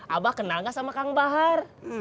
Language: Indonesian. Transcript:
abah kenal gak sama kang bahar